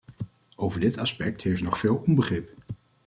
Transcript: Over dit aspect heerst nog veel onbegrip.